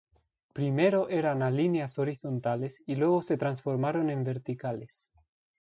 Primero eran a líneas horizontales, y luego se transformaron en verticales.